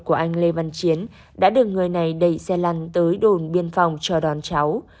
của anh lê văn chiến đã được người này đẩy xe lăn tới đồn biên phòng chờ đón cháu